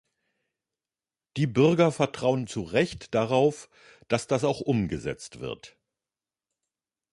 Die Bürger vertrauen zu Recht darauf, dass das auch umgesetzt wird.